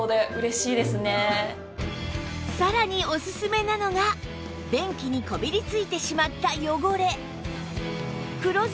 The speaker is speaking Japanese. さらにおすすめなのが便器にこびりついてしまった汚れ